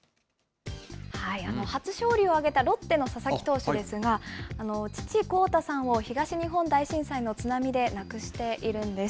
初勝利を挙げたロッテの佐々木投手ですが、父、功太さんを東日本大震災の津波で亡くしているんです。